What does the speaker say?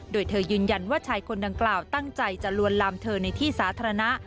โดยเธอยืนยันว่าชายคนดังกล่าวตั้งใจจะลวนลามเธอในที่สาธารณะ